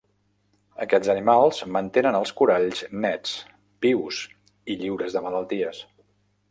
Aquests animals mantenen els coralls nets, vius i lliures de malalties.